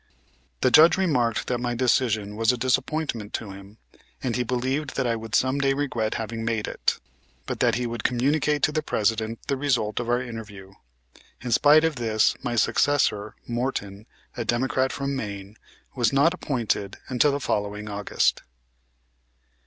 The Judge remarked that my decision was a disappointment to him, and he believed that I would some day regret having made it, but that he would communicate to the President the result of our interview. In spite of this, my successor, Morton, a Democrat from Maine, was not appointed until the following August.